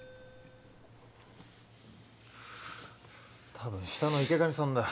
多分下の池上さんだ